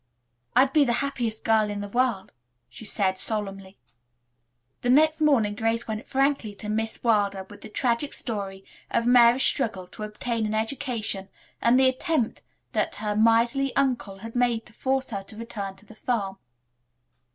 "I'd be the happiest girl in the world," she said solemnly. The next morning Grace went frankly to Miss Wilder with the tragic story of Mary's struggle to obtain an education and the attempt her miserly uncle had made to force her to return to the farm.